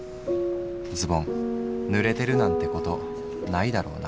ズボン濡れてるなんて事ないだろな。